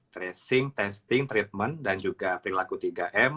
tracing testing treatment dan juga perilaku tiga m